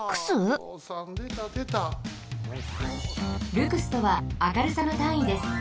ルクスとは明るさのたんいです。